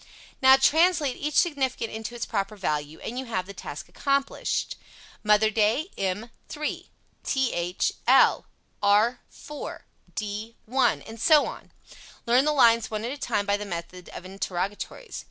Now translate each significant into its proper value and you have the task accomplished. "Mother Day," m 3, th l, r 4, d l, and so on. Learn the lines one at a time by the method of interrogatories.